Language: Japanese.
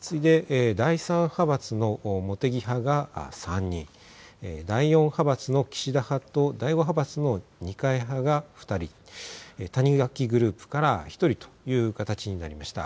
次いで第３派閥の茂木派が３人、第４派閥の岸田派と第５派閥の二階派が２人、谷垣グループから１人という形になりました。